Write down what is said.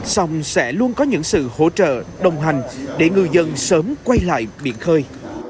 xong sẽ luôn có những sự hỗ trợ đồng hành để ngư dân sớm quay lại biển khơi